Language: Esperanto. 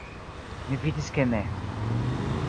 Ni vidis ke ne.